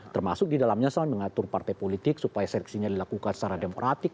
termasuk di dalamnya soal mengatur partai politik supaya seleksinya dilakukan secara demokratik